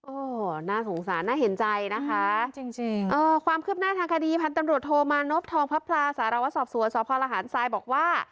โอ้โหน่าสงสารน่าเห็นใจนะคะจริงความคืบหน้าทางคดีพันธุ์ตำรวจโทมานพทองพระพลาสารวสอบสวนสพลหารทรายบอกว่า